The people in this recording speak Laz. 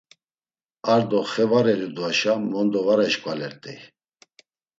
Ar do xe var eyudvaşa mondo var eşǩvalert̆ey.